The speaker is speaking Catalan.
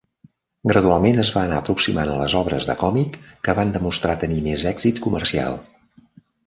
Gradualment es va anar aproximant a les obres de còmic, que van demostrar tenir més èxit comercial.